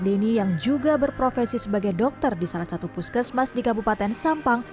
denny yang juga berprofesi sebagai dokter di salah satu puskesmas di kabupaten sampang